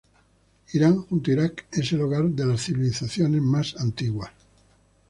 Irán, junto a Irak, es el hogar de las civilizaciones más antiguas.